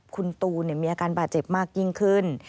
คุณตูนมีอาการบาดเจ็บมากยิ่งขึ้น